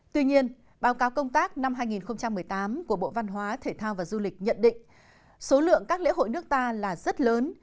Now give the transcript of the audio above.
tuy nhiên báo cáo công tác năm hai nghìn một mươi tám của bộ văn hóa thể thao và du lịch nhận định số lượng các lễ hội nước ta là rất lớn